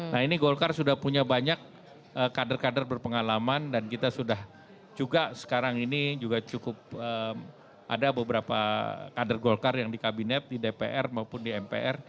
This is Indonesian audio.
nah ini golkar sudah punya banyak kader kader berpengalaman dan kita sudah juga sekarang ini juga cukup ada beberapa kader golkar yang di kabinet di dpr maupun di mpr